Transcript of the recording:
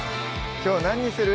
きょう何にする？